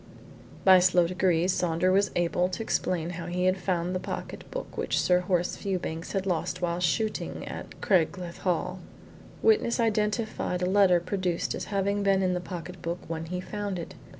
By slow degrees Saunders was able to explain how he had found the pocket book which Sir Horace Fewbanks had lost while shooting at Craigleith Hall. Witness identified a letter produced as having been in the pocket book when he found it.